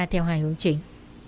theo hai hướng chính